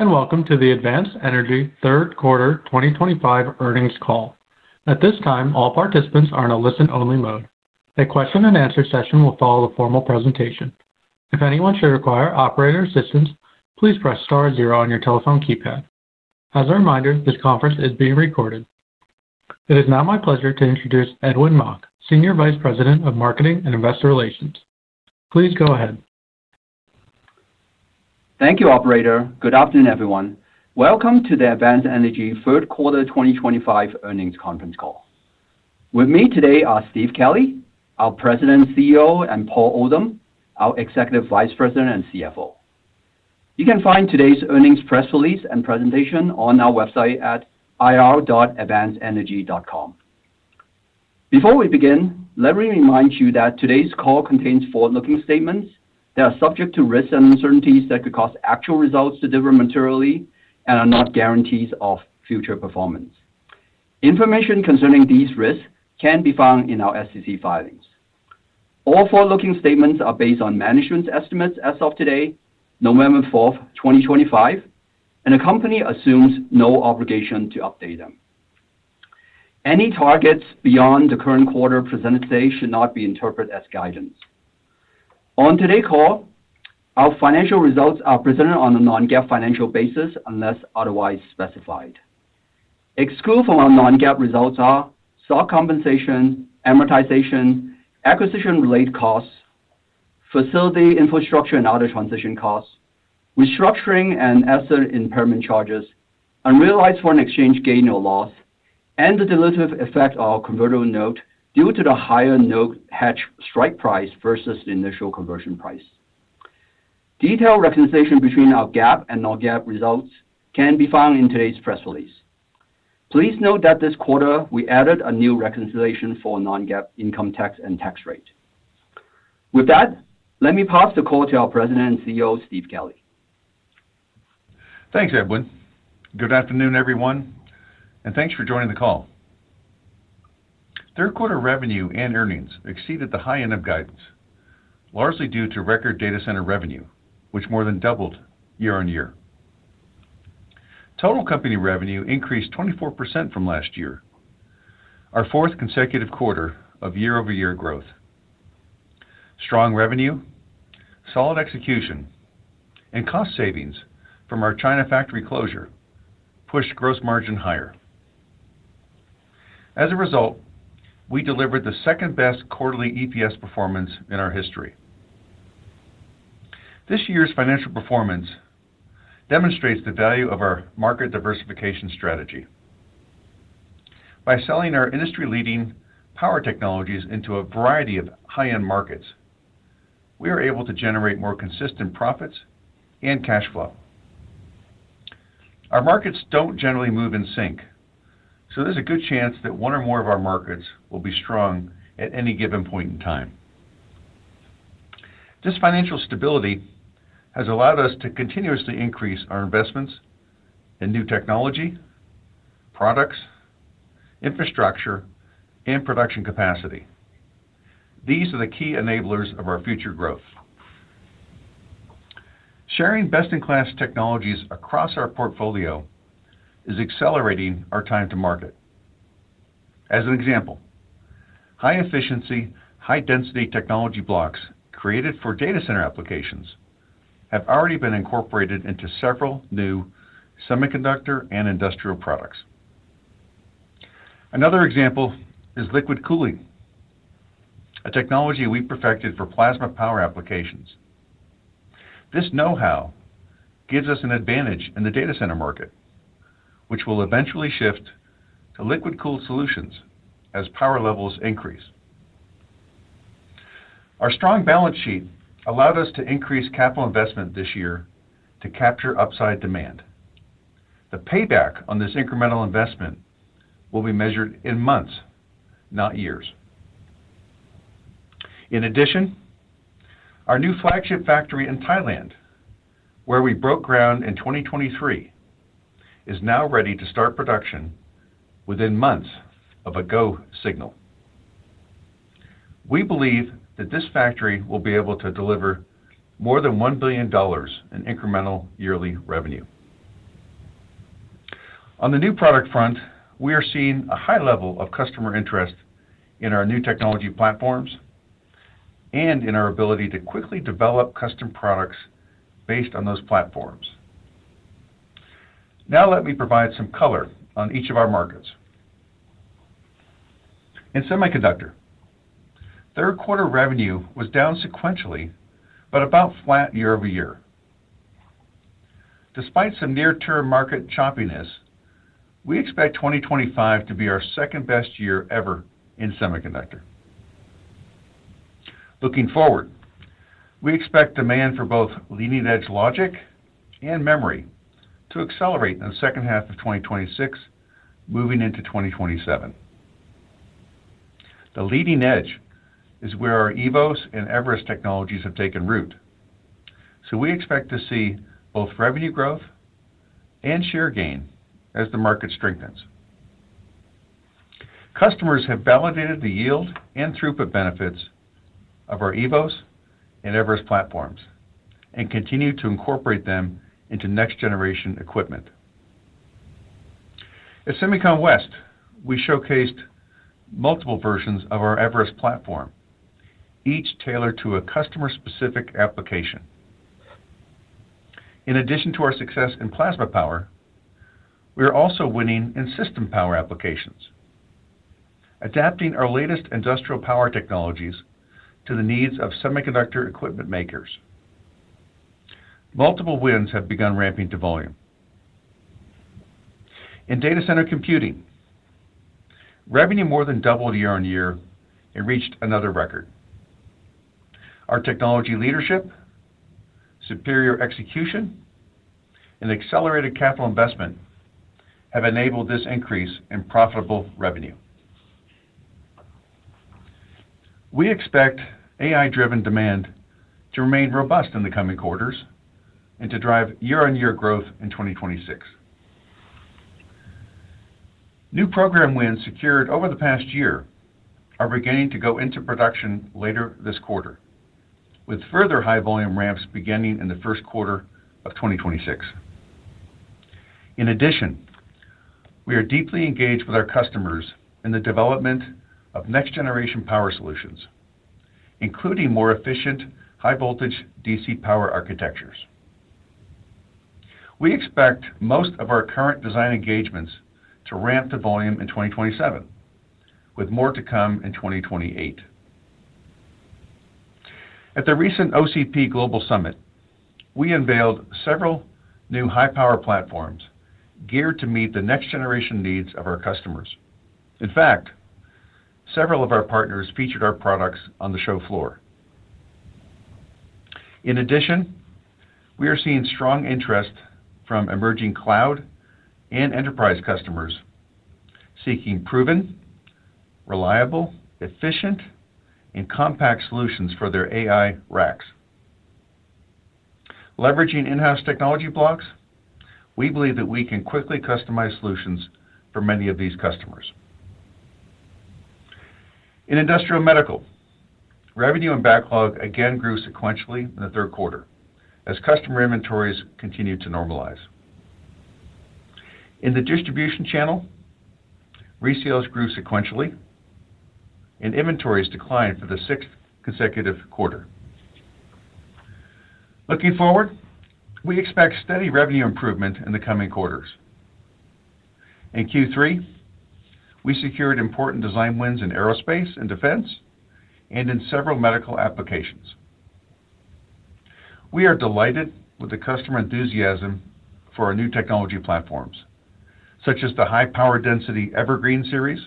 And welcome to the Advanced Energy third quarter 2025 earnings call. At this time, all participants are in a listen-only mode. A question-and-answer session will follow the formal presentation. If anyone should require operator assistance, please press star zero on your telephone keypad. As a reminder, this conference is being recorded. It is now my pleasure to introduce Edwin Mok, Senior Vice President of Marketing and Investor Relations. Please go ahead. Thank you, Operator. Good afternoon, everyone. Welcome to the Advanced Energy third quarter 2025 earnings conference call. With me today are Steve Kelley, our President and CEO, and Paul Oldham, our Executive Vice President and CFO. You can find today's earnings press release and presentation on our website at ir.advancedenergy.com. Before we begin, let me remind you that today's call contains forward-looking statements that are subject to risks and uncertainties that could cause actual results to differ materially and are not guarantees of future performance. Information concerning these risks can be found in our SEC filings. All forward-looking statements are based on management's estimates as of today, November 4th, 2025, and the company assumes no obligation to update them. Any targets beyond the current quarter presented today should not be interpreted as guidance. On today's call, our financial results are presented on a non-GAAP financial basis unless otherwise specified. Excluded from our non-GAAP results are stock compensation, amortization, acquisition-related costs, facility infrastructure and other transition costs, restructuring and asset impairment charges, unrealized foreign exchange gain or loss, and the dilutive effect of our convertible note due to the higher no-hedge strike price versus the initial conversion price. Detailed reconciliation between our GAAP and non-GAAP results can be found in today's press release. Please note that this quarter we added a new reconciliation for non-GAAP income tax and tax rate. With that, let me pass the call to our President and CEO, Steve Kelley. Thanks, Edwin. Good afternoon, everyone, and thanks for joining the call. Third quarter revenue and earnings exceeded the high end of guidance, largely due to record data center revenue, which more than doubled year on year. Total company revenue increased 24% from last year, our fourth consecutive quarter of year-over-year growth. Strong revenue, solid execution, and cost savings from our China factory closure pushed gross margin higher. As a result, we delivered the second-best quarterly EPS performance in our history. This year's financial performance demonstrates the value of our market diversification strategy. By selling our industry-leading power technologies into a variety of high-end markets, we are able to generate more consistent profits and cash flow. Our markets don't generally move in sync, so there's a good chance that one or more of our markets will be strong at any given point in time. This financial stability has allowed us to continuously increase our investments in new technology, products, infrastructure, and production capacity. These are the key enablers of our future growth. Sharing best-in-class technologies across our portfolio is accelerating our time to market. As an example, high-efficiency, high-density technology blocks created for data center applications have already been incorporated into several new semiconductor and industrial products. Another example is liquid cooling, a technology we perfected for plasma power applications. This know-how gives us an advantage in the data center market, which will eventually shift to liquid-cooled solutions as power levels increase. Our strong balance sheet allowed us to increase capital investment this year to capture upside demand. The payback on this incremental investment will be measured in months, not years. In addition, our new flagship factory in Thailand, where we broke ground in 2023, is now ready to start production within months of a go signal. We believe that this factory will be able to deliver more than $1 billion in incremental yearly revenue. On the new product front, we are seeing a high level of customer interest in our new technology platforms and in our ability to quickly develop custom products based on those platforms. Now let me provide some color on each of our markets. In semiconductor, third quarter revenue was down sequentially, but about flat year-over-year. Despite some near-term market choppiness, we expect 2025 to be our second-best year ever in Semiconductor. Looking forward, we expect demand for both leading-edge logic and memory to accelerate in the second half of 2026, moving into 2027. The leading edge is where our eVoS and eVerest technologies have taken root. So we expect to see both revenue growth and share gain as the market strengthens. Customers have validated the yield and throughput benefits of our eVoS and eVerest platforms and continue to incorporate them into next-generation equipment. At SEMICON West, we showcased multiple versions of our eVerest platform, each tailored to a customer-specific application. In addition to our success in plasma power, we are also winning in system power applications. Adapting our latest industrial power technologies to the needs of semiconductor equipment makers. Multiple wins have begun ramping to volume. In data center computing, revenue more than doubled year on year and reached another record. Our technology leadership, superior execution, and accelerated capital investment have enabled this increase in profitable revenue. We expect AI-driven demand to remain robust in the coming quarters and to drive year-on-year growth in 2026. New program wins secured over the past year are beginning to go into production later this quarter, with further high-volume ramps beginning in the first quarter of 2026. In addition, we are deeply engaged with our customers in the development of next-generation power solutions, including more efficient high-voltage DC power architectures. We expect most of our current design engagements to ramp to volume in 2027, with more to come in 2028. At the recent OCP Global Summit, we unveiled several new high-power platforms geared to meet the next-generation needs of our customers. In fact, several of our partners featured our products on the show floor. In addition, we are seeing strong interest from emerging cloud and enterprise customers seeking proven, reliable, efficient, and compact solutions for their AI racks. Leveraging in-house technology blocks, we believe that we can quickly customize solutions for many of these customers. In industrial medical, revenue and backlog again grew sequentially in the third quarter as customer inventories continued to normalize. In the distribution channel, resales grew sequentially, and inventories declined for the sixth consecutive quarter. Looking forward, we expect steady revenue improvement in the coming quarters. In Q3, we secured important design wins in aerospace and defense and in several medical applications. We are delighted with the customer enthusiasm for our new technology platforms, such as the high-power density Evergreen series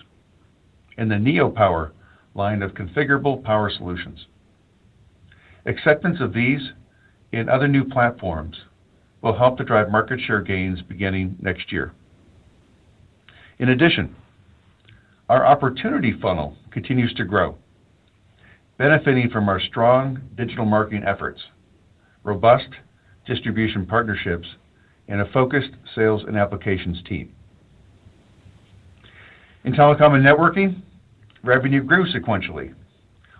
and the NeoPower line of configurable power solutions. Acceptance of these and other new platforms will help to drive market share gains beginning next year. In addition, our opportunity funnel continues to grow, benefiting from our strong digital marketing efforts, robust distribution partnerships, and a focused sales and applications team. In Telecom and Networking, revenue grew sequentially.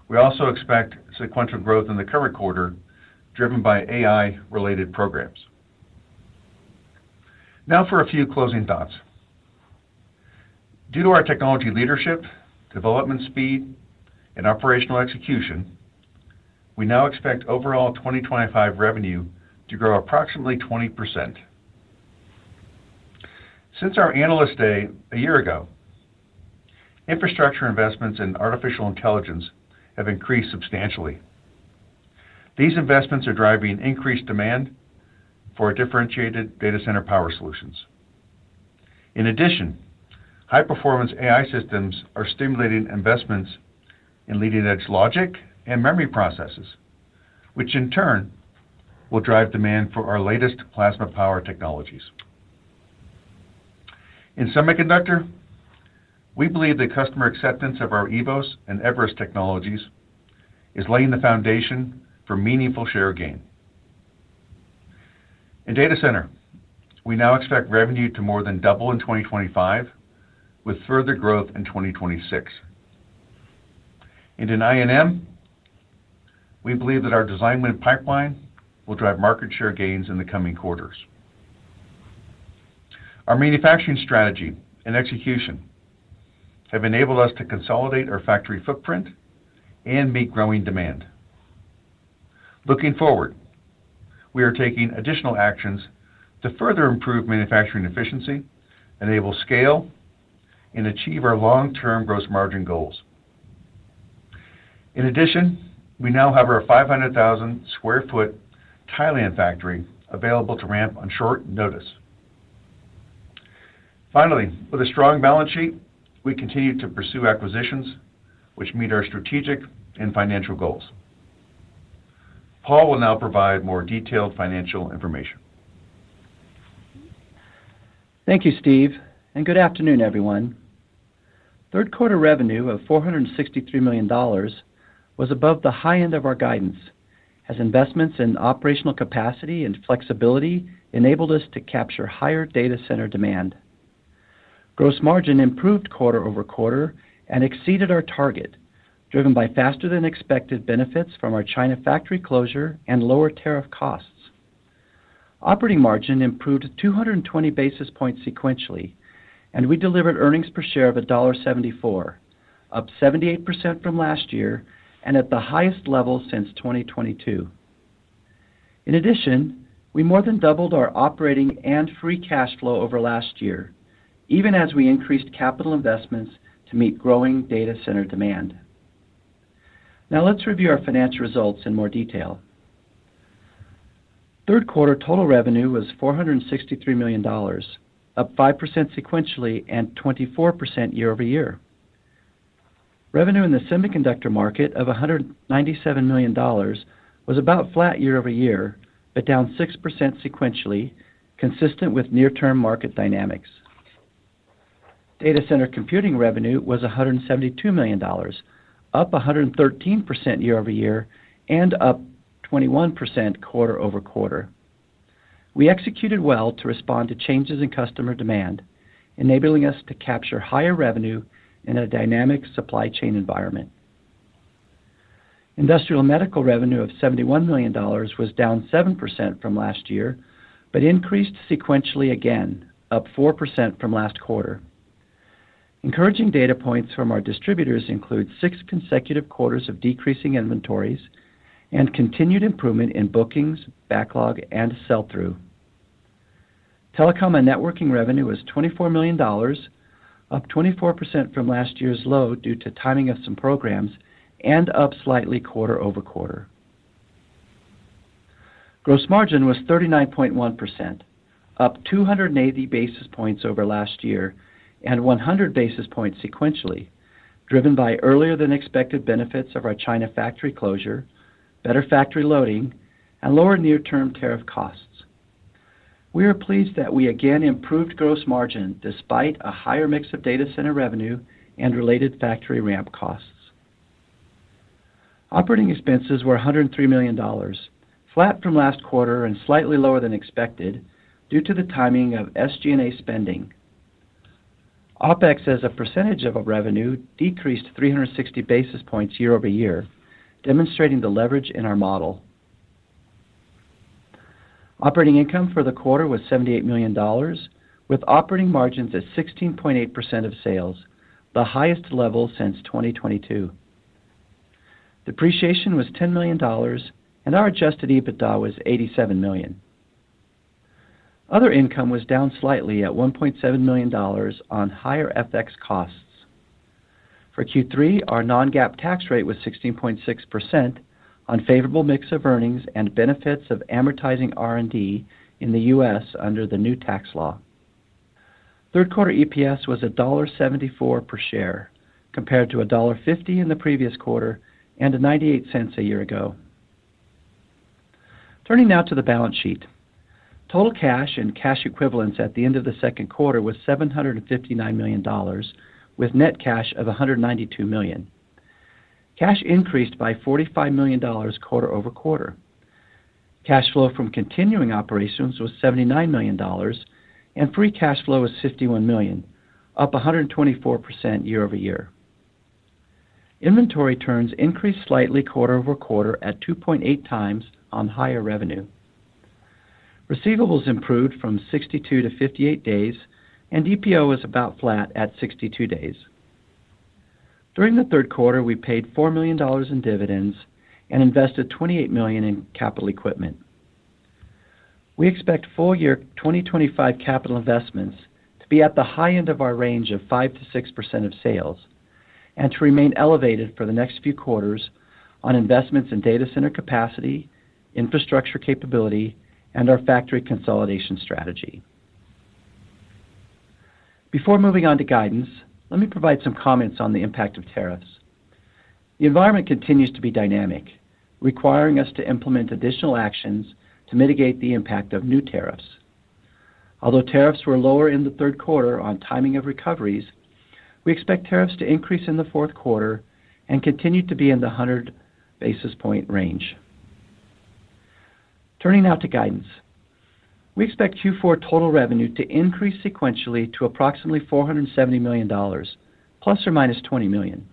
We also expect sequential growth in the current quarter driven by AI-related programs. Now for a few closing thoughts. Due to our technology leadership, development speed, and operational execution, we now expect overall 2025 revenue to grow approximately 20%. Since our Analyst Day a year ago, infrastructure investments in artificial intelligence have increased substantially. These investments are driving increased demand for differentiated data center power solutions. In addition, high-performance AI systems are stimulating investments in leading-edge logic and memory processes, which in turn will drive demand for our latest plasma power technologies. In Semiconductor, we believe the customer acceptance of our eVoS and eVerest technologies is laying the foundation for meaningful share gain. In data center, we now expect revenue to more than double in 2025, with further growth in 2026. And in I&M, We believe that our design win pipeline will drive market share gains in the coming quarters. Our manufacturing strategy and execution have enabled us to consolidate our factory footprint and meet growing demand. Looking forward, we are taking additional actions to further improve manufacturing efficiency, enable scale, and achieve our long-term gross margin goals. In addition, we now have our 500,000 sq ft Thailand factory available to ramp on short notice. Finally, with a strong balance sheet, we continue to pursue acquisitions which meet our strategic and financial goals. Paul will now provide more detailed financial information. Thank you, Steve, and good afternoon, everyone. Third quarter revenue of $463 million was above the high end of our guidance as investments in operational capacity and flexibility enabled us to capture higher data center demand. Gross margin improved quarter-over-quarter and exceeded our target, driven by faster-than-expected benefits from our China factory closure and lower tariff costs. Operating margin improved 220 basis points sequentially, and we delivered earnings per share of $1.74, up 78% from last year and at the highest level since 2022. In addition, we more than doubled our operating and free cash flow over last year, even as we increased capital investments to meet growing data center demand. Now let's review our financial results in more detail. Third quarter total revenue was $463 million, up 5% sequentially and 24% year-over-year. Revenue in the semiconductor market of $197 million was about flat year-over-year, but down 6% sequentially, consistent with near-term market dynamics. Data center computing revenue was $172 million, up 113% year-over-year and up 21% quarter-over-quarter. We executed well to respond to changes in customer demand, enabling us to capture higher revenue in a dynamic supply chain environment. Industrial medical revenue of $71 million was down 7% from last year but increased sequentially again, up 4% from last quarter. Encouraging data points from our distributors include six consecutive quarters of decreasing inventories and continued improvement in bookings, backlog, and sell-through. Telecom and Networking revenue was $24 million, up 24% from last year's low due to timing of some programs and up slightly quarter-over-quarter. Gross margin was 39.1%, up 280 basis points over last year and 100 basis points sequentially, driven by earlier-than-expected benefits of our China factory closure, better factory loading, and lower near-term tariff costs. We are pleased that we again improved gross margin despite a higher mix of data center revenue and related factory ramp costs. Operating expenses were $103 million, flat from last quarter and slightly lower than expected due to the timing of SG&A spending. OpEx, as a percentage of our revenue, decreased 360 basis points year-over-year, demonstrating the leverage in our model. Operating income for the quarter was $78 million, with operating margins at 16.8% of sales, the highest level since 2022. Depreciation was $10 million, and our adjusted EBITDA was $87 million. Other income was down slightly at $1.7 million on higher FX costs. For Q3, our non-GAAP tax rate was 16.6% on favorable mix of earnings and benefits of amortizing R&D in the U.S. under the new tax law. Third quarter EPS was $1.74 per share, compared to $1.50 in the previous quarter and $0.98 a year ago. Turning now to the balance sheet, total cash and cash equivalents at the end of the second quarter was $759 million, with net cash of $192 million. Cash increased by $45 million quarter-over-quarter. Cash flow from continuing operations was $79 million, and free cash flow was $51 million, up 124% year-over-year. Inventory turns increased slightly quarter over quarter at 2.8x on higher revenue. Receivables improved from 62 to 58 days, and DPO was about flat at 62 days. During the third quarter, we paid $4 million in dividends and invested $28 million in capital equipment. We expect full year 2025 capital investments to be at the high end of our range of 5%-6% of sales and to remain elevated for the next few quarters on investments in data center capacity, infrastructure capability, and our factory consolidation strategy. Before moving on to guidance, let me provide some comments on the impact of tariffs. The environment continues to be dynamic, requiring us to implement additional actions to mitigate the impact of new tariffs. Although tariffs were lower in the third quarter on timing of recoveries, we expect tariffs to increase in the fourth quarter and continue to be in the 100 basis points range. Turning now to guidance, we expect Q4 total revenue to increase sequentially to approximately $470 million, ± $20 million.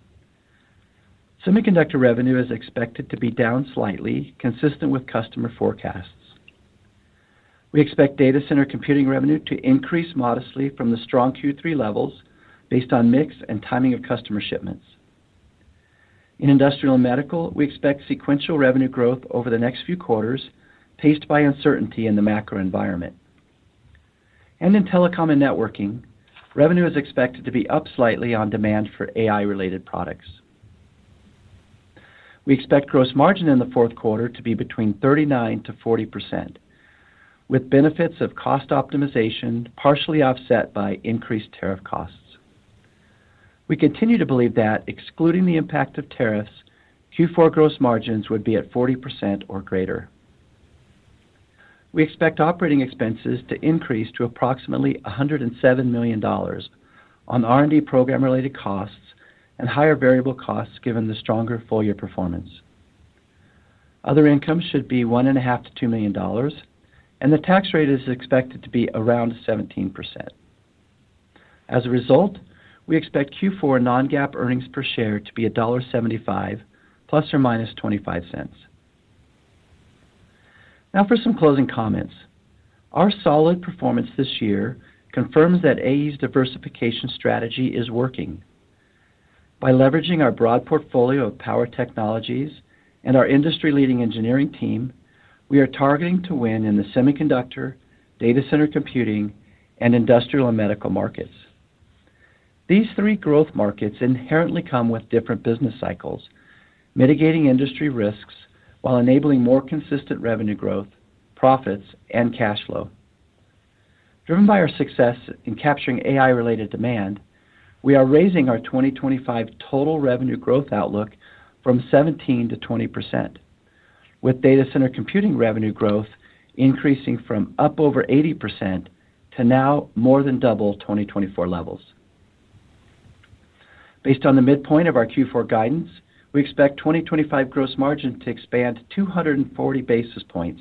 Semiconductor revenue is expected to be down slightly, consistent with customer forecasts. We expect data center computing revenue to increase modestly from the strong Q3 levels based on mix and timing of customer shipments. In industrial and medical, we expect sequential revenue growth over the next few quarters, paced by uncertainty in the macro environment. And in telecom and networking, revenue is expected to be up slightly on demand for AI-related products. We expect gross margin in the fourth quarter to be between 39%-40%, with benefits of cost optimization partially offset by increased tariff costs. We continue to believe that, excluding the impact of tariffs, Q4 gross margins would be at 40% or greater. We expect operating expenses to increase to approximately $107 million, on R&D program-related costs and higher variable costs given the stronger full year performance. Other income should be $1.5 million-$2 million, and the tax rate is expected to be around 17%. As a result, we expect Q4 non-GAAP earnings per share to be $1.75, ± $0.25. Now for some closing comments. Our solid performance this year confirms that AE's diversification strategy is working. By leveraging our broad portfolio of power technologies and our industry-leading engineering team, we are targeting to win in the semiconductor, data center computing, and industrial and medical markets. These three growth markets inherently come with different business cycles, mitigating industry risks while enabling more consistent revenue growth, profits, and cash flow. Driven by our success in capturing AI-related demand, we are raising our 2025 total revenue growth outlook from 17%-20%. With data center computing revenue growth increasing from up over 80% to now more than double 2024 levels. Based on the midpoint of our Q4 guidance, we expect 2025 gross margin to expand 240 basis points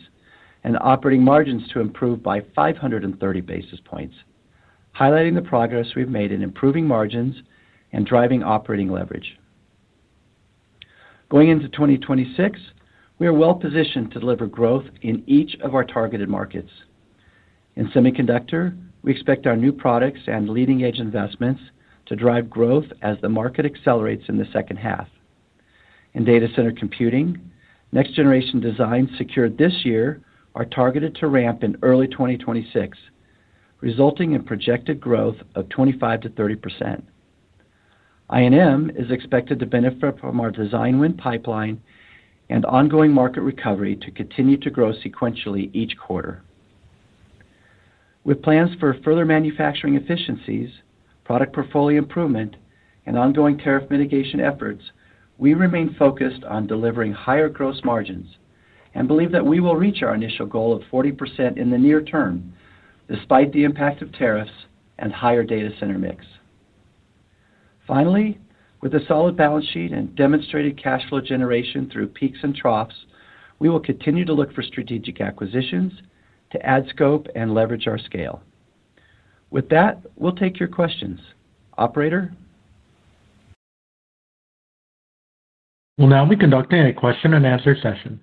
and operating margins to improve by 530 basis points, highlighting the progress we've made in improving margins and driving operating leverage. Going into 2026, we are well positioned to deliver growth in each of our targeted markets. In semiconductor, we expect our new products and leading-edge investments to drive growth as the market accelerates in the second half. In data center computing, next-generation designs secured this year are targeted to ramp in early 2026. Resulting in projected growth of 25%-30%. I&M is expected to benefit from our design win pipeline and ongoing market recovery to continue to grow sequentially each quarter. With plans for further manufacturing efficiencies, product portfolio improvement, and ongoing tariff mitigation efforts, we remain focused on delivering higher gross margins and believe that we will reach our initial goal of 40% in the near term, despite the impact of tariffs and higher data center mix. Finally, with a solid balance sheet and demonstrated cash flow generation through peaks and troughs, we will continue to look for strategic acquisitions to add scope and leverage our scale. With that, we'll take your questions, operator. Well, now we conduct a question-and-answer session.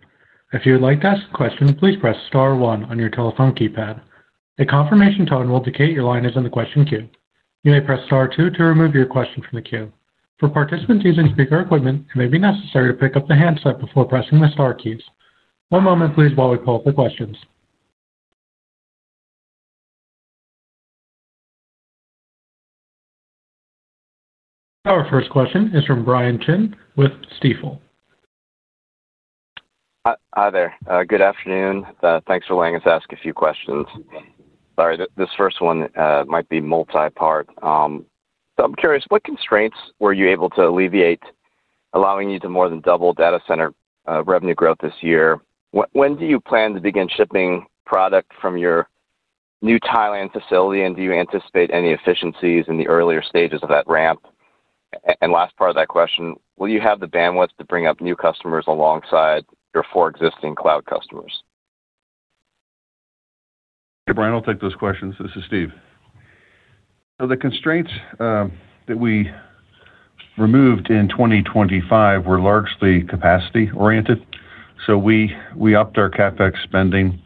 If you would like to ask a question, please press Star one on your telephone keypad. A confirmation tone will indicate your line is in the question queue. You may press Star two to remove your question from the queue. For participants using speaker equipment, it may be necessary to pick up the handset before pressing the Star keys. One moment, please, while we pull up the questions. Our first question is from Brian Chin with Stifel. Hi there. Good afternoon. Thanks for letting us ask a few questions. Sorry, this first one might be multi-part. So I'm curious, what constraints were you able to alleviate, allowing you to more than double data center revenue growth this year? When do you plan to begin shipping product from your new Thailand facility, and do you anticipate any efficiencies in the earlier stages of that ramp? And last part of that question, will you have the bandwidth to bring up new customers alongside your four existing cloud customers? Hey, Brian, I'll take those questions. This is Steve. So the constraints that we removed in 2025 were largely capacity-oriented. So we upped our CapEx spending,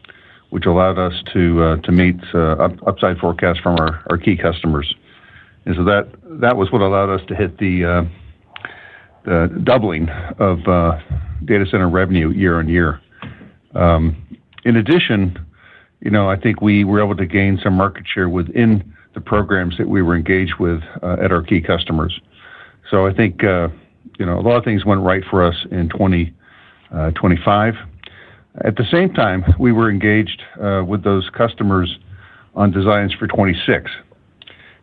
which allowed us to meet upside forecasts from our key customers. And so that was what allowed us to hit the doubling of data center revenue year-on-year. In addition, I think we were able to gain some market share within the programs that we were engaged with at our key customers. So I think a lot of things went right for us in 2025. At the same time, we were engaged with those customers on designs for 2026.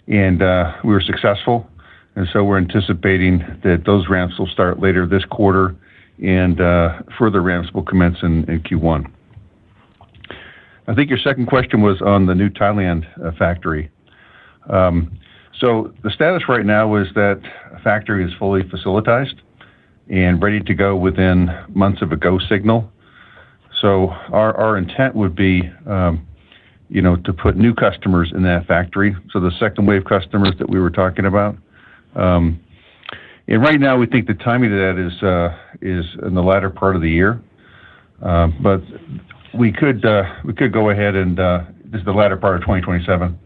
And we were successful. And so we're anticipating that those ramps will start later this quarter, and further ramps will commence in Q1. I think your second question was on the new Thailand factory. So the status right now is that factory is fully facilitated and ready to go within months of a go signal. So our intent would be to put new customers in that factory, so the second wave customers that we were talking about. And right now, we think the timing of that is in the latter part of the year. But we could go ahead and this is the latter part of 2027.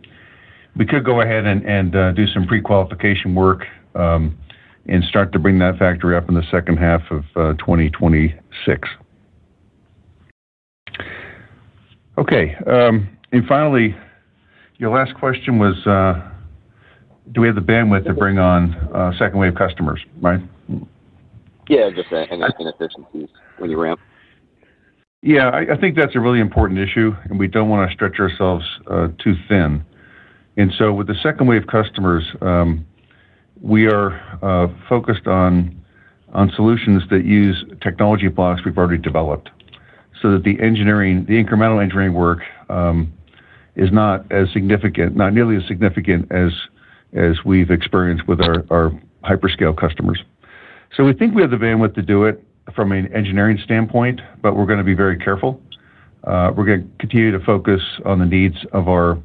We could go ahead and do some pre-qualification work. And start to bring that factory up in the second half of 2026. Okay. And finally, your last question was do we have the bandwidth to bring on second wave customers, right? Yeah, just inefficiencies when you ramp. Yeah, I think that's a really important issue, and we don't want to stretch ourselves too thin, and so with the second wave customers, we are focused on solutions that use technology blocks we've already developed so that the incremental engineering work is not as significant, not nearly as significant as we've experienced with our hyperscale customers. So we think we have the bandwidth to do it from an engineering standpoint, but we're going to be very careful. We're going to continue to focus on the needs of our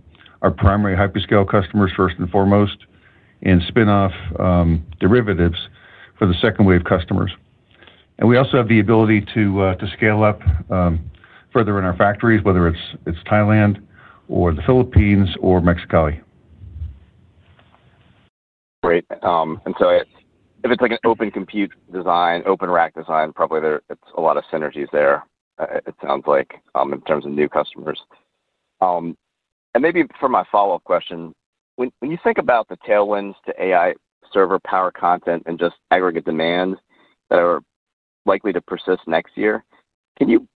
primary hyperscale customers first and foremost and spin-off derivatives for the second wave customers, and we also have the ability to scale up further in our factories, whether it's Thailand or the Philippines or Mexicali. Great. And so if it's like an open compute design, open rack design, probably there's a lot of synergies there, it sounds like, in terms of new customers. And maybe for my follow-up question, when you think about the tailwinds to AI server power content and just aggregate demand that are likely to persist next year,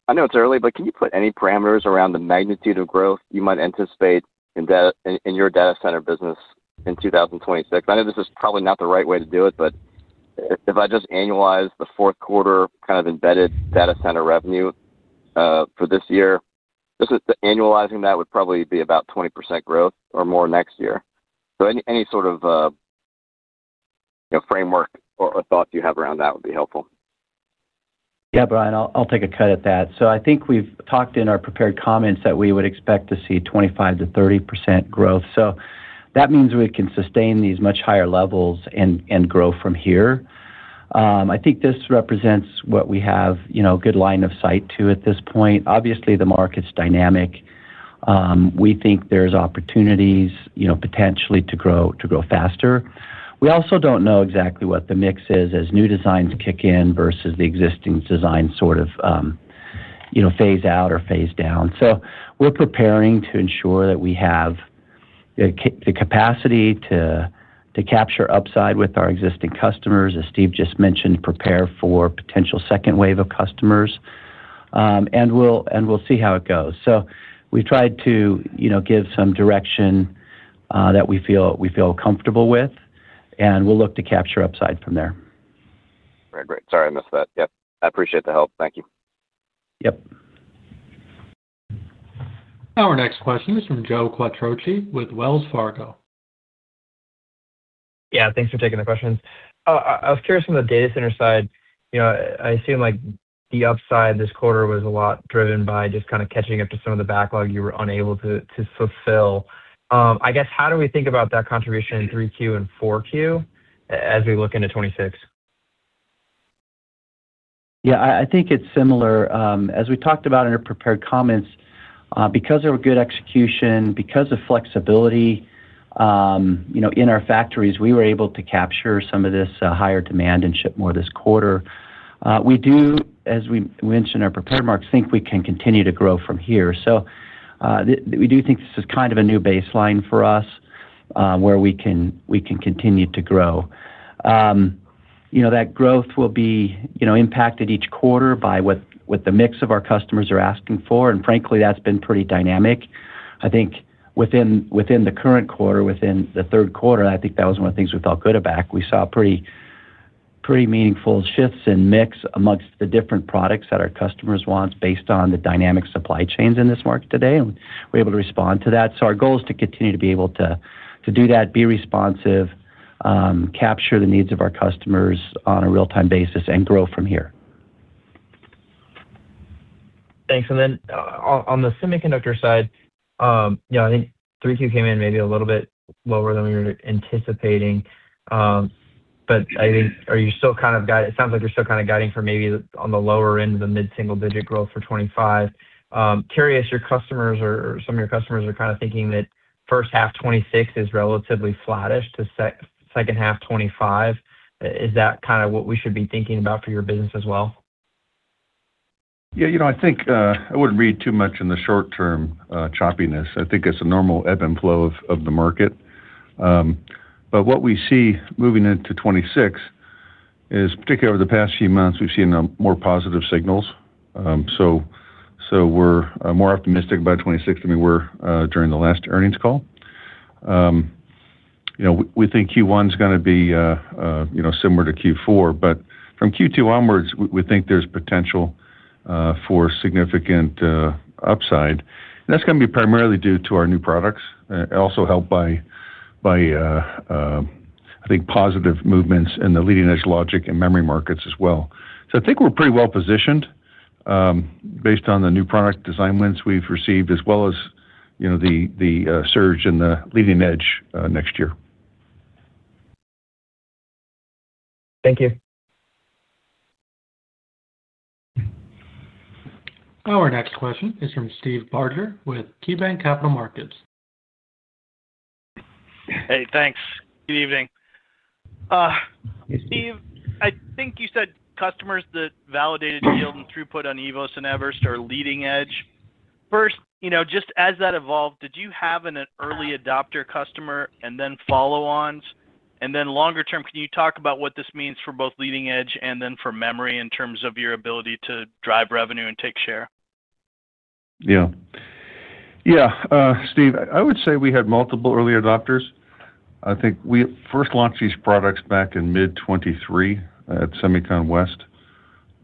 I know it's early, but can you put any parameters around the magnitude of growth you might anticipate in your data center business in 2026? I know this is probably not the right way to do it, but if I just annualize the fourth quarter kind of embedded data center revenue for this year, the annualizing of that would probably be about 20% growth or more next year. So any sort of framework or thoughts you have around that would be helpful. Yeah, Brian, I'll take a cut at that. So I think we've talked in our prepared comments that we would expect to see 25%-30% growth. So that means we can sustain these much higher levels and grow from here. I think this represents what we have a good line of sight to at this point. Obviously, the market's dynamic. We think there's opportunities potentially to grow faster. We also don't know exactly what the mix is as new designs kick in versus the existing design sort of phase out or phase down. So we're preparing to ensure that we have the capacity to capture upside with our existing customers, as Steve just mentioned, prepare for potential second wave of customers. And we'll see how it goes. So we've tried to give some direction that we feel comfortable with. And we'll look to capture upside from there. Great. Sorry, I missed that. Yep. I appreciate the help. Thank you. Yep. Our next question is from Joe Quattrocci with Wells Fargo. Yeah, thanks for taking the questions. I was curious from the data center side. I assume the upside this quarter was a lot driven by just kind of catching up to some of the backlog you were unable to fulfill. I guess, how do we think about that contribution in 3Q and 4Q as we look into 2026? Yeah, I think it's similar. As we talked about in our prepared comments, because of our good execution and because of flexibility in our factories, we were able to capture some of this higher demand and ship more this quarter. We do, as we mentioned in our prepared remarks, think we can continue to grow from here. So, we do think this is kind of a new baseline for us, where we can continue to grow. That growth will be impacted each quarter by what the mix of our customers are asking for. And frankly, that's been pretty dynamic. I think within the current quarter, within the third quarter, I think that was one of the things we felt good about. We saw pretty meaningful shifts in mix amongst the different products that our customers want based on the dynamic supply chains in this market today. And we're able to respond to that. So our goal is to continue to be able to do that, be responsive, capture the needs of our customers on a real-time basis, and grow from here. Thanks. And then on the Semiconductor side. I think 3Q came in maybe a little bit lower than we were anticipating. But I think, are you still kind of guiding? It sounds like you're still kind of guiding for maybe on the lower end of the mid-single-digit growth for 2025. Curious, your customers or some of your customers are kind of thinking that first half 2026 is relatively flattish to second half 2025. Is that kind of what we should be thinking about for your business as well? Yeah, I think I wouldn't read too much in the short-term choppiness. I think it's a normal ebb and flow of the market. But what we see moving into 2026 is particularly over the past few months, we've seen more positive signals. So, we're more optimistic about 2026 than we were during the last earnings call. We think Q1 is going to be similar to Q4, but from Q2 onwards, we think there's potential for significant upside. And that's going to be primarily due to our new products, also helped by, I think, positive movements in the leading-edge logic and memory markets as well. So I think we're pretty well positioned based on the new product design wins we've received, as well as the surge in the leading-edge next year. Thank you. Our next question is from Steve Barger with KeyBanc Capital Markets. Hey, thanks. Good evening. Hey, Steve. I think you said customers that validated yield and throughput on eVoS and eVerest are leading edge. First, just as that evolved, did you have an early adopter customer and then follow-ons? And then longer term, can you talk about what this means for both leading edge and then for memory in terms of your ability to drive revenue and take share? Yeah. Yeah, Steve, I would say we had multiple early adopters. I think we first launched these products back in mid-2023 at SEMICON West,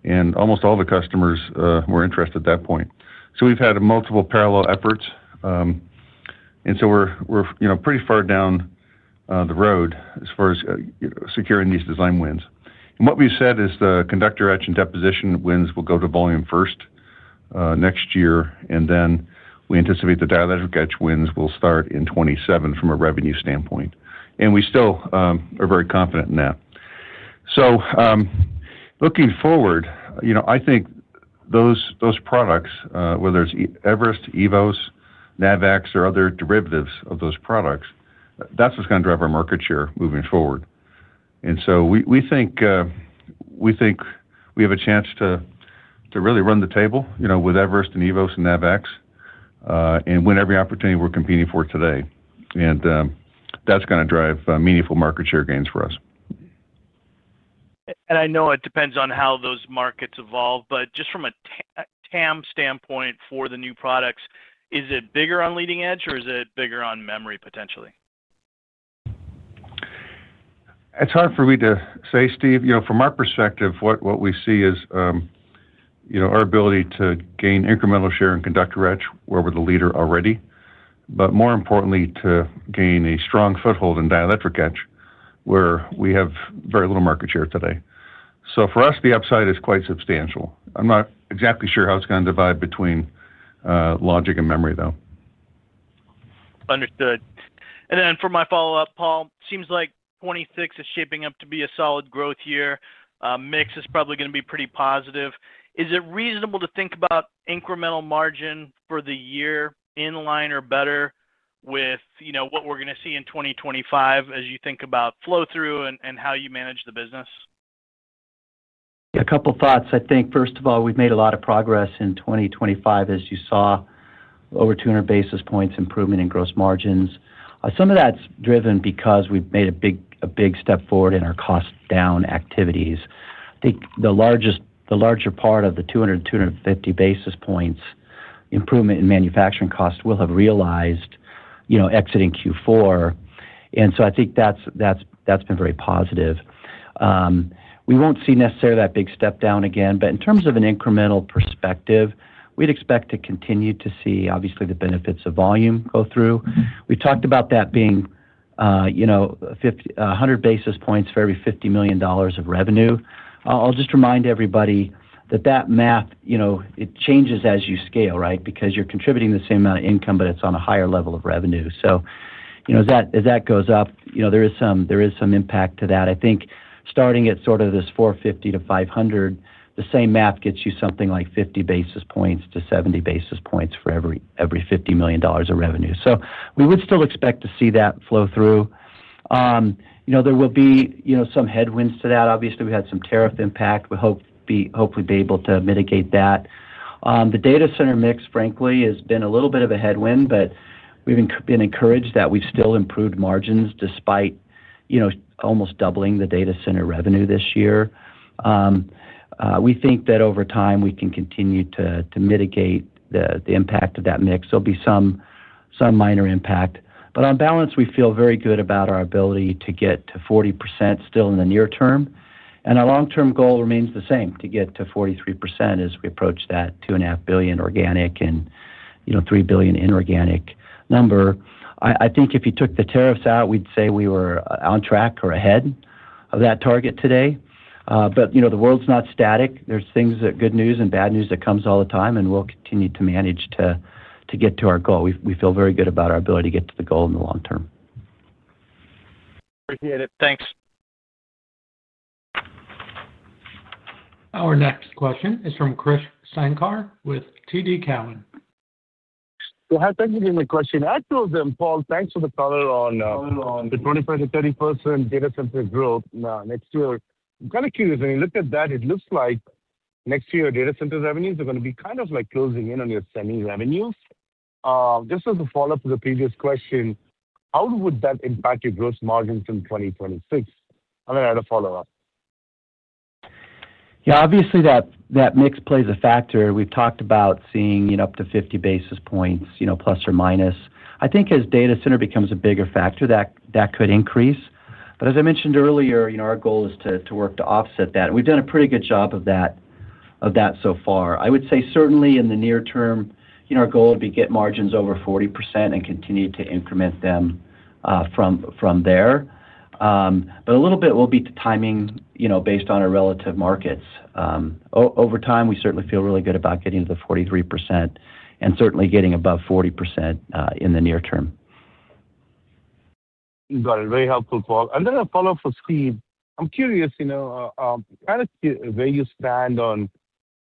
and almost all the customers were interested at that point, so we've had multiple parallel efforts, and so we're pretty far down the road as far as securing these design wins. And what we've said is the conductor, etch, and deposition wins will go to volume first next year, and then we anticipate the dielectric etch wins will start in 2027 from a revenue standpoint. And we still are very confident in that. So, looking forward, I think those products, whether it's eVerest, eVoS, Navax, or other derivatives of those products, that's what's going to drive our market share moving forward, and so we think we have a chance to really run the table with eVerest and eVoS and Navax and win every opportunity we're competing for today. And that's going to drive meaningful market share gains for us. And I know it depends on how those markets evolve, but just from a TAM standpoint for the new products, is it bigger on leading edge or is it bigger on memory potentially? It's hard for me to say, Steve. From our perspective, what we see is our ability to gain incremental share in conductor etch where we're the leader already, but more importantly, to gain a strong foothold in dielectric etch where we have very little market share today. So for us, the upside is quite substantial. I'm not exactly sure how it's going to divide between logic and memory, though. Understood. And then for my follow-up, Paul, it seems like 2026 is shaping up to be a solid growth year. Mix is probably going to be pretty positive. Is it reasonable to think about incremental margin for the year in line or better with what we're going to see in 2025 as you think about flow-through and how you manage the business? Yeah, a couple of thoughts. I think, first of all, we've made a lot of progress in 2025, as you saw, over 200 basis points improvement in gross margins. Some of that's driven because we've made a big step forward in our cost-down activities. I think the larger part of the 200-250 basis points improvement in manufacturing costs will have realized exiting Q4. And so I think that's been very positive. We won't see necessarily that big step down again, but in terms of an incremental perspective, we'd expect to continue to see, obviously, the benefits of volume go through. We've talked about that being 100 basis points for every $50 million of revenue. I'll just remind everybody that that math it changes as you scale, right, because you're contributing the same amount of income, but it's on a higher level of revenue. So as that goes up, there is some impact to that. I think starting at sort of this 450-500, the same math gets you something like 50 basis points to 70 basis points for every $50 million of revenue. So we would still expect to see that flow through. There will be some headwinds to that. Obviously, we had some tariff impact. We'll hopefully be able to mitigate that. The data center mix, frankly, has been a little bit of a headwind, but we've been encouraged that we've still improved margins despite almost doubling the data center revenue this year. We think that over time, we can continue to mitigate the impact of that mix. There'll be some minor impact. But on balance, we feel very good about our ability to get to 40% still in the near term. And our long-term goal remains the same: to get to 43% as we approach that $2.5 billion organic and $3 billion inorganic number. I think if you took the tariffs out, we'd say we were on track or ahead of that target today. But the world's not static. There's good news and bad news that comes all the time, and we'll continue to manage to get to our goal. We feel very good about our ability to get to the goal in the long term. Appreciate it. Thanks. Our next question is from Krish Sankar with TD Cowen. Well, hi, thank you for the question. I told them, Paul, thanks for the color on the 25%-30% data center growth next year. I'm kind of curious. When you look at that, it looks like next year, data center revenues are going to be kind of like closing in on your semi-revenues. Just as a follow-up to the previous question, how would that impact your gross margins in 2026? And then I had a follow-up. Yeah, obviously, that mix plays a factor. We've talked about seeing up to 50 basis points ±. I think as data center becomes a bigger factor, that could increase, but as I mentioned earlier, our goal is to work to offset that, and we've done a pretty good job of that so far. I would say certainly in the near term, our goal would be to get margins over 40% and continue to increment them from there, but a little bit will be timing based on our relative markets. Over time, we certainly feel really good about getting to the 43% and certainly getting above 40% in the near term. Got it. Very helpful, Paul. And then a follow-up for Steve. I'm curious. Kind of where you stand on.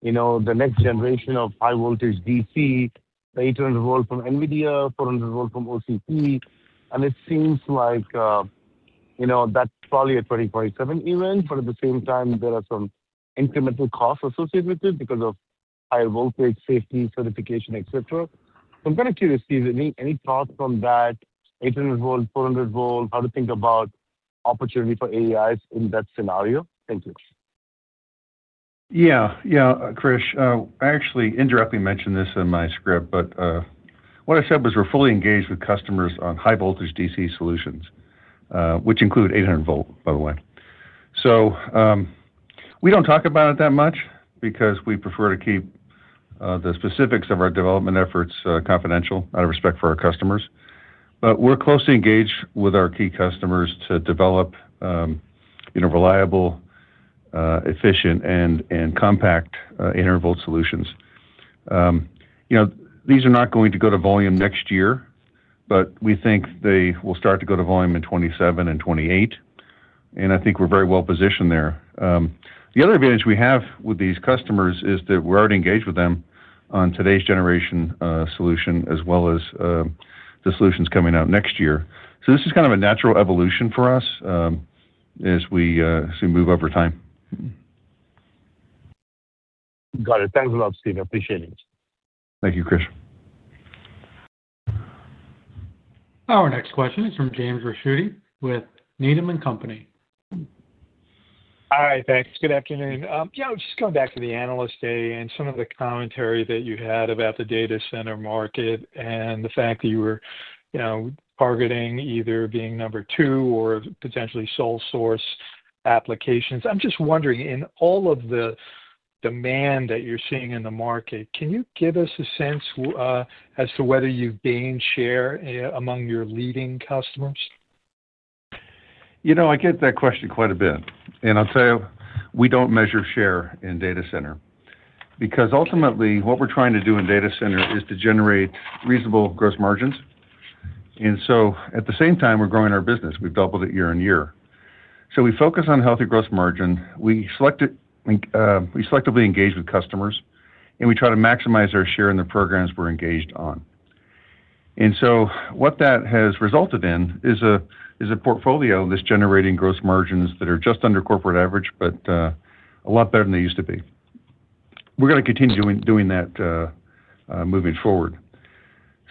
The next generation of high-voltage DC, the 800 V from NVIDIA, 400 V from OCP. And it seems like. That's probably a 2027 event, but at the same time, there are some incremental costs associated with it because of higher voltage, safety, certification, etc. So I'm kind of curious, Steve, any thoughts on that, 800 V, 400 V, how to think about opportunity for AEI's in that scenario? Thank you. Yeah. Yeah, Chris, I actually indirectly mentioned this in my script, but what I said was we're fully engaged with customers on high-voltage DC solutions, which include 800 V, by the way. So we don't talk about it that much because we prefer to keep the specifics of our development efforts confidential out of respect for our customers. But we're closely engaged with our key customers to develop reliable, efficient, and compact inverter solutions. These are not going to go to volume next year, but we think they will start to go to volume in 2027 and 2028. I think we're very well positioned there. The other advantage we have with these customers is that we're already engaged with them on today's generation solution as well as the solutions coming out next year. So this is kind of a natural evolution for us as we move over time. Got it. Thanks a lot, Steve. Appreciate it. Thank you, Chris. Our next question is from James Rashidi with Needham & Company. Hi, thanks. Good afternoon. Yeah, I was just going back to the analyst day and some of the commentary that you had about the data center market and the fact that you were targeting either being number two or potentially sole-source applications. I'm just wondering, in all of the demand that you're seeing in the market, can you give us a sense as to whether you've gained share among your leading customers? I get that question quite a bit, and I'll tell you, we don't measure share in data center because ultimately, what we're trying to do in data center is to generate reasonable gross margins, and so at the same time, we're growing our business. We've doubled it year-on-year, so we focus on healthy gross margin. We selectively engage with customers, and we try to maximize our share in the programs we're engaged on, and so what that has resulted in is a portfolio that's generating gross margins that are just under corporate average, but a lot better than they used to be. We're going to continue doing that moving forward,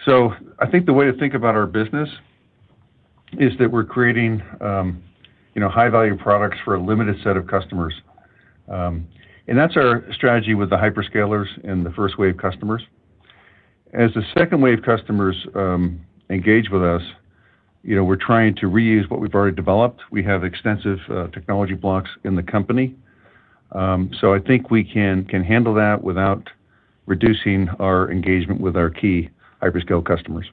so I think the way to think about our business is that we're creating high-value products for a limited set of customers, and that's our strategy with the hyperscalers and the first-wave customers. As the second-wave customers engage with us, we're trying to reuse what we've already developed. We have extensive technology blocks in the company, so I think we can handle that without reducing our engagement with our key hyperscale customers.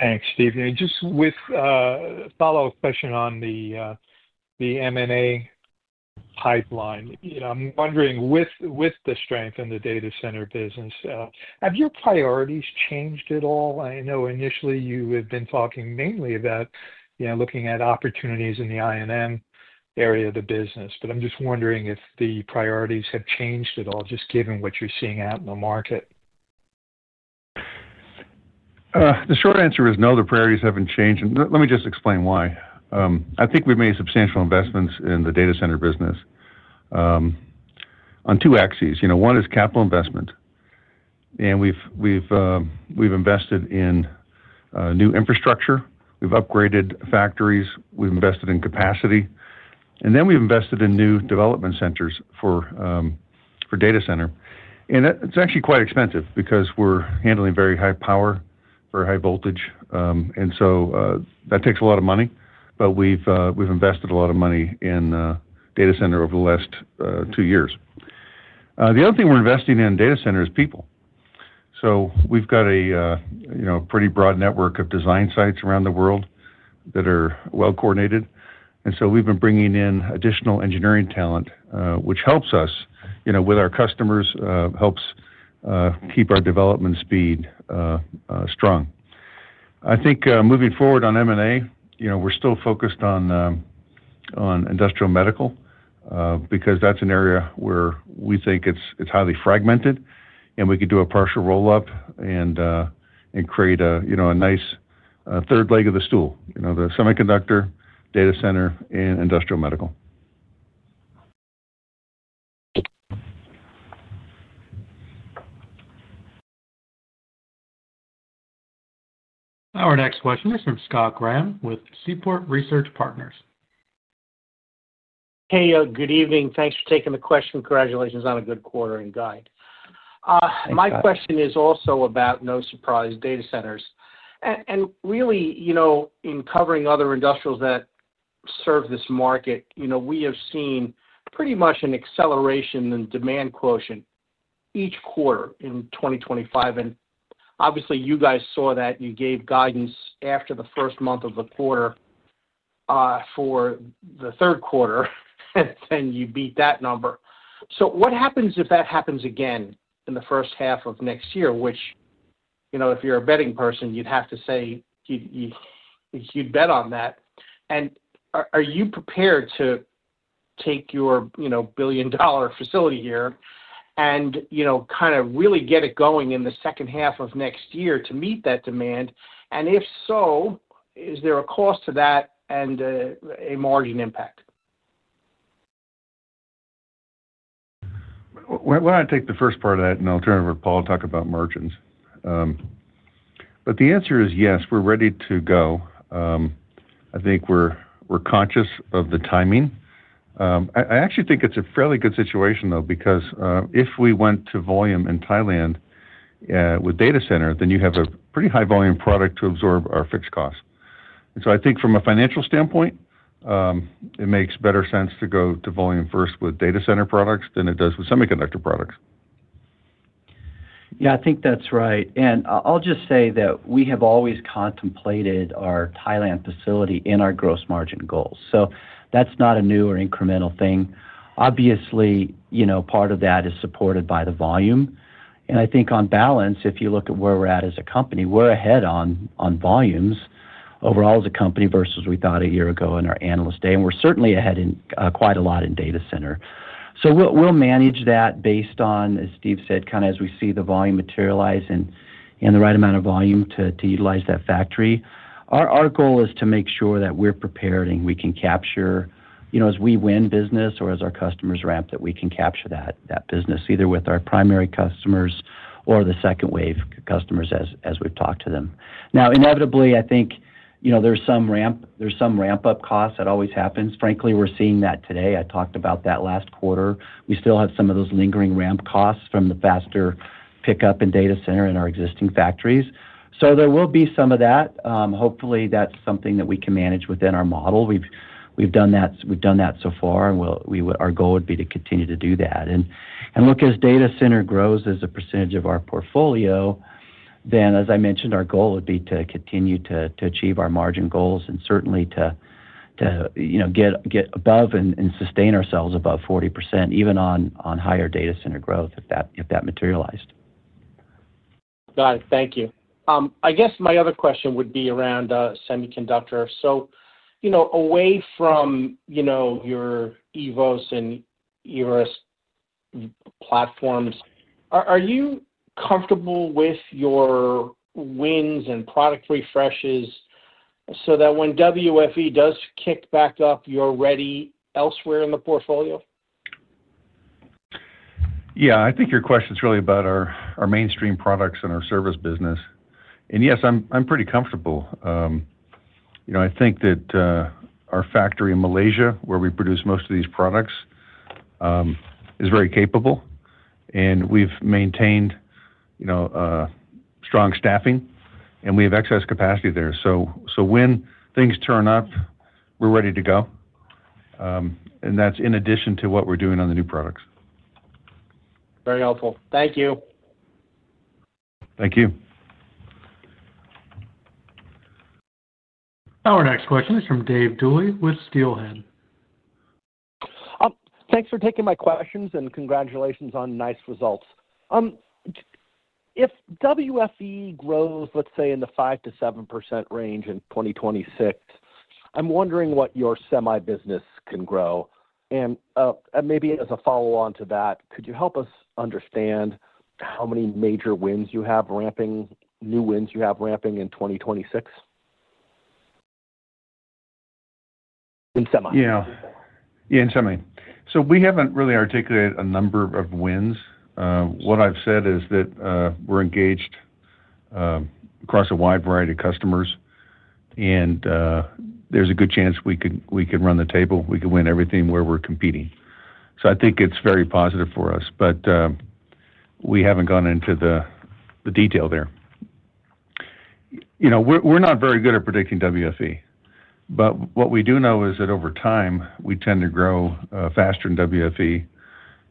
Thanks, Steve. And just with a follow-up question on the M&A pipeline, I'm wondering, with the strength in the data center business, have your priorities changed at all? I know initially you had been talking mainly about looking at opportunities in the I&M area of the business, but I'm just wondering if the priorities have changed at all, just given what you're seeing out in the market. The short answer is no, the priorities haven't changed. And let me just explain why. I think we've made substantial investments in the data center business. On two axes. One is capital investment. And we've invested in new infrastructure. We've upgraded factories. We've invested in capacity. And then we've invested in new development centers for data center. And it's actually quite expensive because we're handling very high power for high voltage. And so that takes a lot of money, but we've invested a lot of money in data center over the last two years. The other thing we're investing in data center is people. So we've got a pretty broad network of design sites around the world that are well-coordinated. And so we've been bringing in additional engineering talent, which helps us with our customers, helps keep our development speed strong. I think moving forward on M&A, we're still focused on industrial medical. Because that's an area where we think it's highly fragmented, and we can do a partial roll-up and create a nice third leg of the stool: the semiconductor, data center, and industrial medical. Our next question is from Scott Graham with Seaport Research Partners. Hey, good evening. Thanks for taking the question. Congratulations on a good quarter and guide. My question is also about no-surprise data centers. And really, in covering other industrials that serve this market, we have seen pretty much an acceleration in demand quotient each quarter in 2025. And obviously, you guys saw that. You gave guidance after the first month of the quarter for the third quarter, and then you beat that number. So what happens if that happens again in the first half of next year, which if you're a betting person, you'd have to say you'd bet on that? And are you prepared to take your billion-dollar facility here and kind of really get it going in the second half of next year to meet that demand? And if so, is there a cost to that and a margin impact? Well, I want to take the first part of that, and I'll turn it over to Paul to talk about margins. But the answer is yes, we're ready to go. I think we're conscious of the timing. I actually think it's a fairly good situation, though, because if we went to volume in Thailand with data center, then you have a pretty high-volume product to absorb our fixed costs. And so I think from a financial standpoint, it makes better sense to go to volume first with data center products than it does with semiconductor products. Yeah, I think that's right. And I'll just say that we have always contemplated our Thailand facility in our gross margin goals. So that's not a new or incremental thing. Obviously, part of that is supported by the volume. And I think on balance, if you look at where we're at as a company, we're ahead on volumes overall as a company versus we thought a year ago in our analyst day. And we're certainly ahead quite a lot in data center. So we'll manage that based on, as Steve said, kind of as we see the volume materialize and the right amount of volume to utilize that factory. Our goal is to make sure that we're prepared and we can capture, as we win business or as our customers ramp, that we can capture that business either with our primary customers or the second-wave customers as we've talked to them. Now, inevitably, I think there's some ramp-up costs. That always happens. Frankly, we're seeing that today. I talked about that last quarter. We still have some of those lingering ramp costs from the faster pickup in data center in our existing factories. So there will be some of that. Hopefully, that's something that we can manage within our model. We've done that so far, and our goal would be to continue to do that. And look, as data center grows as a percentage of our portfolio, then, as I mentioned, our goal would be to continue to achieve our margin goals and certainly to get above and sustain ourselves above 40%, even on higher data center growth if that materialized. Got it. Thank you. I guess my other question would be around semiconductor. So, away from your eVoS and eVerest platforms, are you comfortable with your wins and product refreshes so that when WFE does kick back up, you're ready elsewhere in the portfolio? Yeah. I think your question's really about our mainstream products and our service business, and yes, I'm pretty comfortable. I think that our factory in Malaysia, where we produce most of these products, is very capable, and we've maintained strong staffing, and we have excess capacity there, so when things turn up, we're ready to go, and that's in addition to what we're doing on the new products. Very helpful. Thank you. Thank you. Our next question is from Dave Dooley with Steelhead. Thanks for taking my questions and congratulations on nice results. If WFE grows, let's say, in the 5%-7% range in 2026, I'm wondering what your semi business can grow. And maybe as a follow-on to that, could you help us understand how many major wins you have ramping, new wins you have ramping in 2026 iIn semi? Yeah. Yeah, in semi. So we haven't really articulated a number of wins. What I've said is that we're engaged across a wide variety of customers, and there's a good chance we can run the table. We can win everything where we're competing. So I think it's very positive for us, but we haven't gone into the detail there. We're not very good at predicting WFE, but what we do know is that over time, we tend to grow faster in WFE.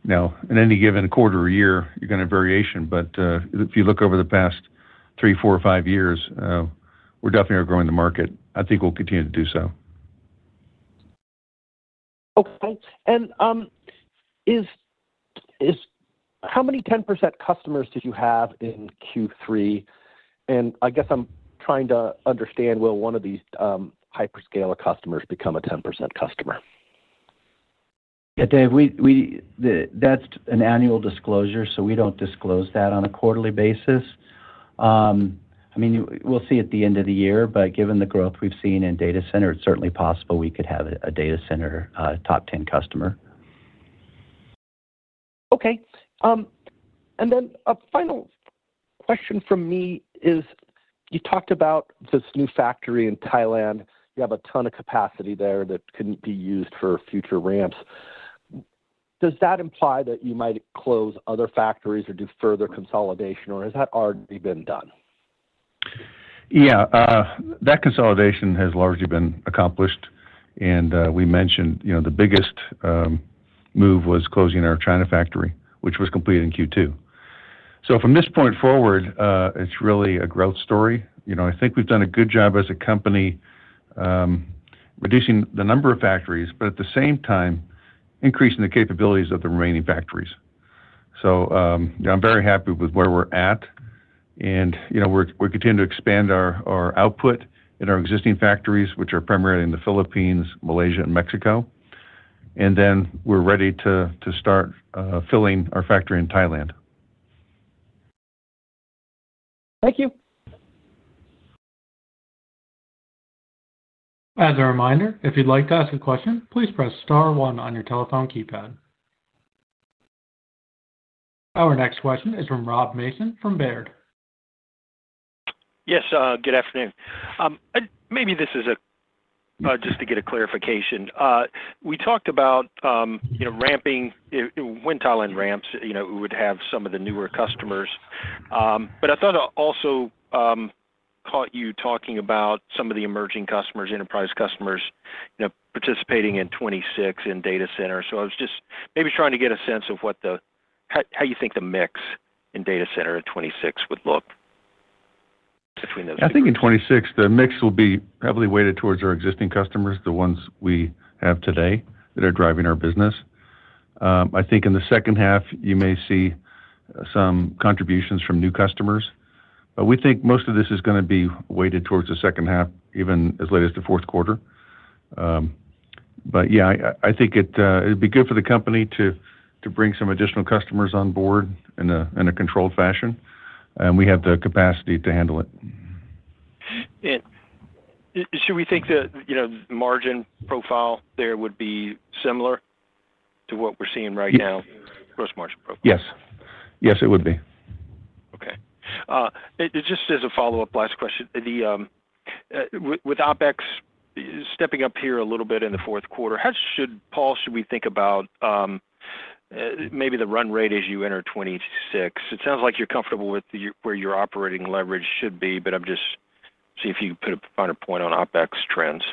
Now, in any given quarter or year, you're going to have variation, but if you look over the past three, four, or five years, we're definitely growing the market. I think we'll continue to do so. Okay. How many 10% customers did you have in Q3? And I guess I'm trying to understand, will one of these hyperscaler customers become a 10% customer? Yeah, Dave, that's an annual disclosure, so we don't disclose that on a quarterly basis. I mean, we'll see at the end of the year, but given the growth we've seen in data center, it's certainly possible we could have a data center top 10 customer. Okay. And then a final question from me is, you talked about this new factory in Thailand. You have a ton of capacity there that couldn't be used for future ramps. Does that imply that you might close other factories or do further consolidation, or has that already been done? Yeah. That consolidation has largely been accomplished. And we mentioned the biggest move was closing our China factory, which was completed in Q2. So from this point forward, it's really a growth story. I think we've done a good job as a company reducing the number of factories, but at the same time, increasing the capabilities of the remaining factories. So I'm very happy with where we're at. And we're continuing to expand our output in our existing factories, which are primarily in the Philippines, Malaysia, and Mexico. And then we're ready to start filling our factory in Thailand. Thank you. As a reminder, if you'd like to ask a question, please press star one on your telephone keypad. Our next question is from Rob Mason from Baird. Yes. Good afternoon. Maybe this is a just to get a clarification. We talked about ramping when Thailand ramps, we would have some of the newer customers. But I thought I also caught you talking about some of the emerging customers, enterprise customers, participating in 2026 in data center. So I was just maybe trying to get a sense of how you think the mix in data center in 2026 would look between those two. I think in 2026, the mix will be heavily weighted towards our existing customers, the ones we have today that are driving our business. I think in the second half, you may see some contributions from new customers. But we think most of this is going to be weighted towards the second half, even as late as the fourth quarter. But yeah, I think it'd be good for the company to bring some additional customers on board in a controlled fashion. And we have the capacity to handle it. Should we think that the margin profile there would be similar to what we're seeing right now, gross margin profile? Yes. Yes, it would be. Okay. Just as a follow-up, last question. With OpEx stepping up here a little bit in the fourth quarter, how should we think about, maybe the run rate as you enter 2026? It sounds like you're comfortable with where your operating leverage should be, but I'm just seeing if you could find a point on OpEx trends.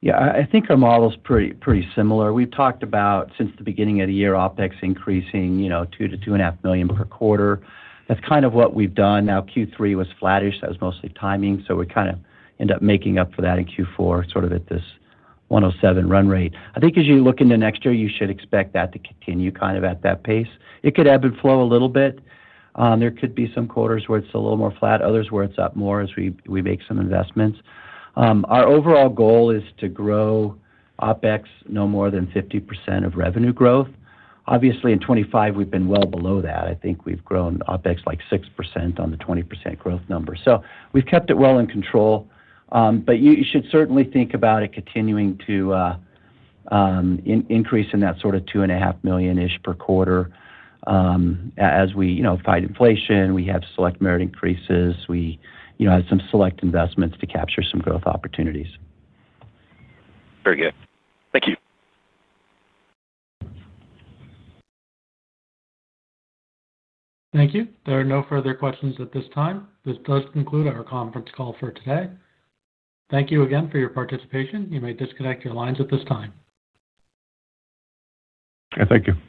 Yeah. I think our model is pretty similar. We've talked about, since the beginning of the year, OpEx increasing $2 million-$2.5 million per quarter. That's kind of what we've done. Now, Q3 was flattish. That was mostly timing. So we kind of ended up making up for that in Q4, sort of at this $107 million run rate. I think as you look into next year, you should expect that to continue kind of at that pace. It could ebb and flow a little bit. There could be some quarters where it's a little more flat, others where it's up more as we make some investments. Our overall goal is to grow OpEx no more than 50% of revenue growth. Obviously, in 2025, we've been well below that. I think we've grown OpEx like 6% on the 20% growth number. So we've kept it well in control. But you should certainly think about it continuing to increase in that sort of $2.5 million-ish per quarter. As we fight inflation, we have select merit increases. We have some select investments to capture some growth opportunities. Very good. Thank you. Thank you. There are no further questions at this time. This does conclude our conference call for today. Thank you again for your participation. You may disconnect your lines at this time. Okay. Thank you.